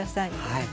はい。